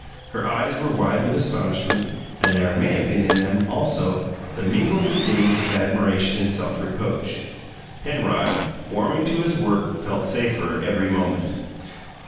Her eyes were wide with astonishment, and there may have been in them, also, the mingled beginnings of admiration and self reproach. Penrod, warming to his work, felt safer every moment.